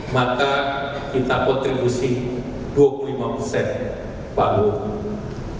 maka kita kontribusi dua puluh lima persen palu